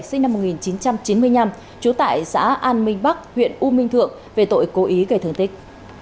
sinh năm một nghìn chín trăm chín mươi năm trú tại xã an minh bắc huyện u minh thượng về tội cố ý gây thương tích